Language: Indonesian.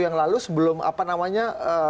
yang lalu sebelum apa namanya